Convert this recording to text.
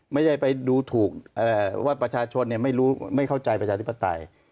ไม่ได้ไปดูถูกว่าประชาชนไม่เข้าใจประชาธิปไตย